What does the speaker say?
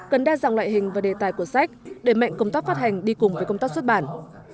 cần đa dạng loại hình và đề tài của sách để mạnh công tác phát hành đi cùng với công tác xuất bản